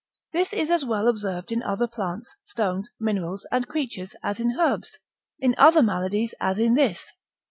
This is as well observed in other plants, stones, minerals, and creatures, as in herbs, in other maladies as in this.